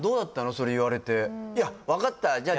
それ言われていや分かったじゃあ